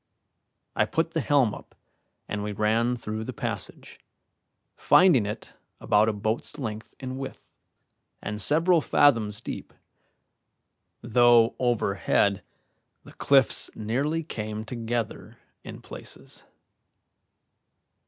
I put the helm up, and we ran through the passage, finding it about a boat's length in width and several fathoms deep, though overhead the cliffs nearly came together in places.